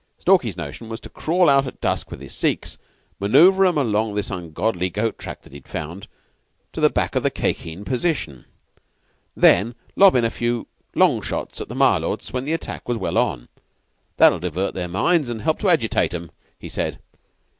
Stalky's notion was to crawl out at dusk with his Sikhs, manoeuvre 'em along this ungodly goat track that he'd found, to the back of the Khye Kheen position, and then lob in a few long shots at the Malôts when the attack was well on. 'That'll divert their minds and help to agitate 'em,' he said.